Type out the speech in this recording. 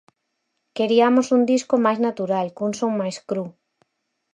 Queriamos un disco máis natural, cun son máis cru.